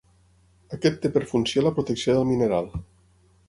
Aquest té per funció la protecció del mineral.